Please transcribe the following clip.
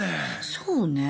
そうね。